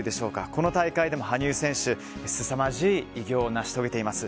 この大会でも羽生選手はすさまじい偉業を成し遂げています。